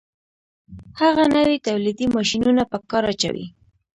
هغه نوي تولیدي ماشینونه په کار اچوي